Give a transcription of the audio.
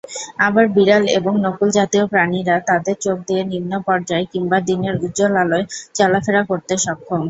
আবার, বিড়াল এবং নকুলজাতীয় প্রাণীরা তাদের চোখ দিয়ে নিম্ন পর্যায় কিংবা দিনের উজ্জ্বল আলোয় চলাফেরা করতে সক্ষম।